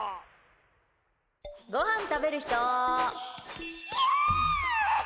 ごはん食べる人？